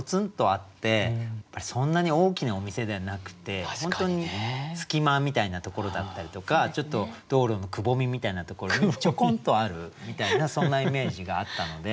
そんなに大きなお店ではなくて本当に隙間みたいなところだったりとかちょっと道路のくぼみみたいなところにちょこんとあるみたいなそんなイメージがあったので。